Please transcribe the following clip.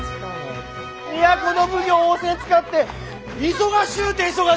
都の奉行を仰せつかって忙しゅうて忙しゅうて！